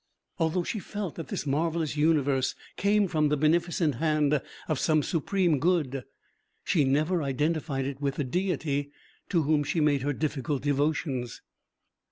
Although she felt that this marvelous universe came from the beneficent hand of some supreme Good, she never identified it with the Deity to whom she made her difficult devotions.